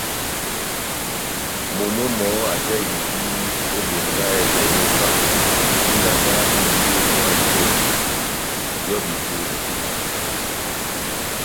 Momó mɔhɔ́ ajáhindi ó Bongáhɛlɛ óvah, dína náh ndembwɛ ya njonjɛ, ŋ’hɔ́bi túbɛ́.